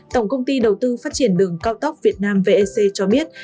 tổng công ty đầu tư phát triển đường cao tốc việt nam vec cho biết